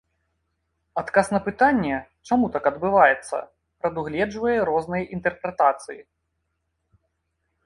Адказ на пытанне, чаму так адбываецца, прадугледжвае розныя інтэрпрэтацыі.